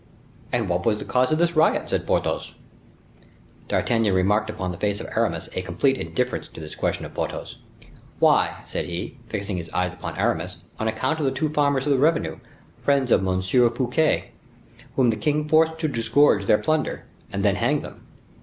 "And what was the cause of this riot?" said Porthos. D'Artagnan remarked upon the face of Aramis a complete indifference to this question of Porthos. "Why," said he, fixing his eyes upon Aramis, "on account of the two farmers of the revenue, friends of M. Fouquet, whom the king forced to disgorge their plunder, and then hanged them."